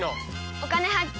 「お金発見」。